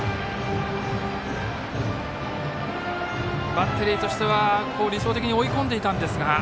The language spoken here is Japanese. バッテリーとしては理想的に追い込んでいたんですが。